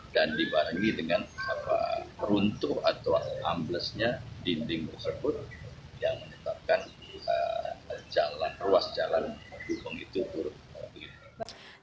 dan dibandingi dengan peruntuk atau amblesnya dinding tersebut yang menyebabkan ruas jalan gubeng itu turun